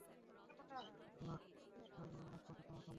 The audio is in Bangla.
আর এটা পুরোপুরি পরিষ্কার করার আগ পর্যন্ত আমরা থামব না।